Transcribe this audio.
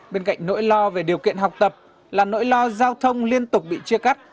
bên cạnh nỗi lo về điều kiện học tập là nỗi lo giao thông liên tục bị chia cắt